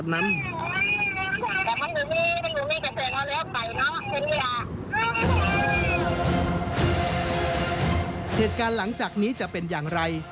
เหตุการณ์หลังจากนี้จะเป็นอย่างไร